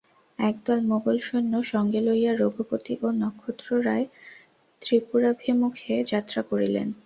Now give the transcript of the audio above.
একদল মোগল-সৈন্য সঙ্গে লইয়া রঘুপতি ও নক্ষত্ররায় ত্রিপুরাভিমুকে যাত্রা করিলেন।